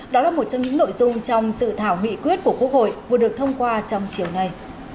đó là một trong những nội dung trong sự thảo nghị quyết của quốc hội vừa được thông qua trong chiều nay